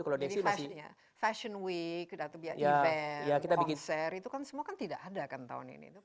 jadi fashion week event konser itu kan semua tidak ada kan tahun ini